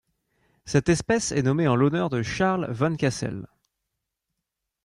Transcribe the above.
Cette espèce est nommée en l'honneur de Charles van Cassel.